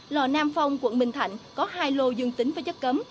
lò nam phong quận bình thạnh có hai lô dương tính với chất cấm